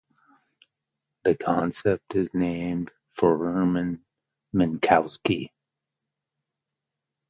The concept is named for Hermann Minkowski.